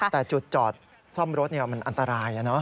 แต่จุดจอดซ่อมรถมันอันตราย